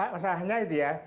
masalahnya itu ya